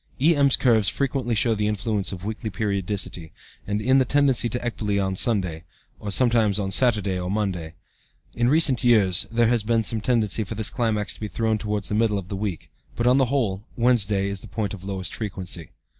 E.M.'s curves frequently show the influence of weekly periodicity, in the tendency to ecbole on Sunday, or sometimes on Saturday or Monday. In recent years there has been some tendency for this climax to be thrown towards the middle of the week, but, on the whole, Wednesday is the point of lowest frequency.